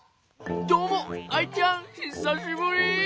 どうもアイちゃんひさしぶり。